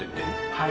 はい。